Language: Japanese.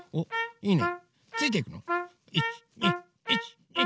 いいね！